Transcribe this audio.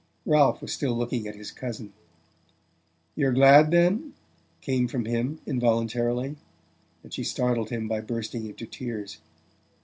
Ralph was still looking at his cousin. "You're glad, then?" came from him involuntarily; and she startled him by bursting into tears.